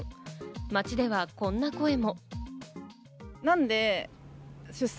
街ではこんな声も。